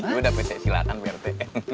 sudah pe silakan pmt